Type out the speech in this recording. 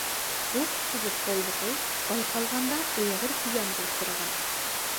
بۇ قۇتقۇزۇش قولۋىقى بايقالغاندا ئېغىر زىيانغا ئۇچرىغان.